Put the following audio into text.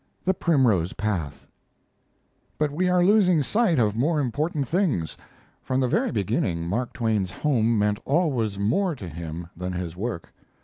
THE PRIMROSE PATH But we are losing sight of more important things. From the very beginning Mark Twain's home meant always more to him than his work.